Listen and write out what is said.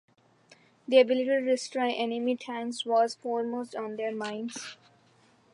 The ability to destroy enemy tanks was foremost on their minds.